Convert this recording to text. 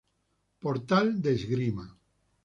Portal de Esgrima